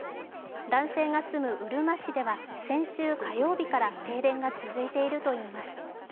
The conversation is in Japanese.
男性が住むうるま市では先週火曜日から停電が続いているといいます。